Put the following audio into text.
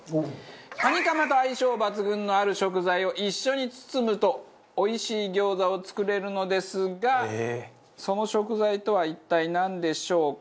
カニカマと相性抜群のある食材を一緒に包むとおいしい餃子を作れるのですがその食材とは一体なんでしょうか？